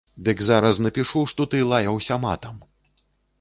Дык зараз напішу, што ты лаяўся матам.